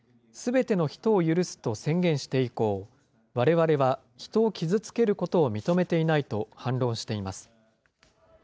すべての人を許すと宣言して以降、われわれは人を傷つけることを認めていないと反論しています。